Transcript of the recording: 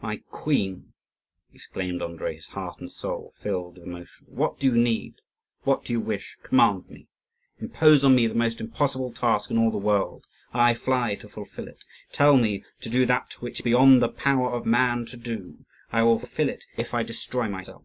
"My queen!" exclaimed Andrii, his heart and soul filled with emotion, "what do you need? what do you wish? command me! Impose on me the most impossible task in all the world: I fly to fulfil it! Tell me to do that which it is beyond the power of man to do: I will fulfil it if I destroy myself.